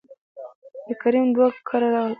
دکريم دو کره راغلل،